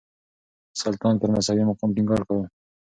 سلطان پر مذهبي مقام ټينګار کاوه.